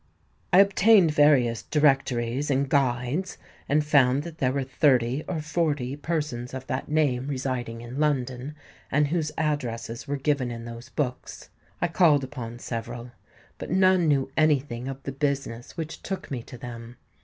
"I obtained various Directories and Guides, and found that there were thirty or forty persons of that name residing in London, and whose addresses were given in those books. I called upon several; but none knew any thing of the business which took me to them.